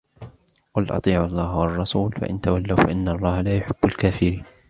قُلْ أَطِيعُوا اللَّهَ وَالرَّسُولَ فَإِنْ تَوَلَّوْا فَإِنَّ اللَّهَ لَا يُحِبُّ الْكَافِرِينَ